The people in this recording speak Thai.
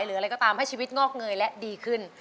หรืออะไรก็ตามให้ชีวิตงอกเงยและดีขึ้น